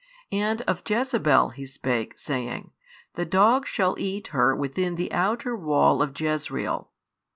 And of Jezebel he spake, saying, The dogs shall eat her within the outer wall of Jezreel.